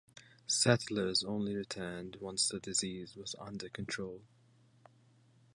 Settlers only returned once the disease was under control.